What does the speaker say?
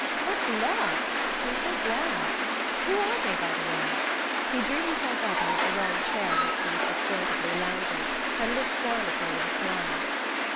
"What luck! I'm so glad. Who are they, by the way?" He drew himself up out of the long chair in which he was disjointedly lounging, and looked down at her with a smile.